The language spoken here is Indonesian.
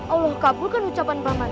allah kabulkan ucapan paman